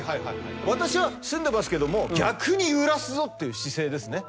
私は住んでますけども逆に揺らすぞって姿勢ですよね。